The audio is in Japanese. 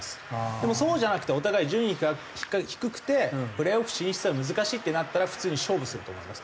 でもそうじゃなくてお互い順位が低くてプレーオフ進出は難しいってなったら普通に勝負すると思います。